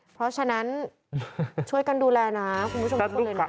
เพราะฉะนั้นช่วยกันดูแลนะคุณผู้ชมช่วยเลยนะ